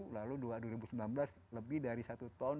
lalu dua ribu sembilan belas lebih dari satu ton